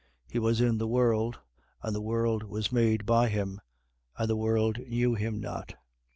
1:10. He was in the world: and the world was made by him: and the world knew him not.